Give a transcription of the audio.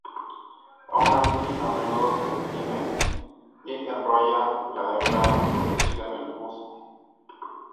Aun así, a menudo se detiene y enrolla la hebra producida en el huso.